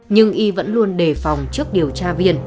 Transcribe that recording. nhưng y vẫn luôn đề phòng trước điều tra viên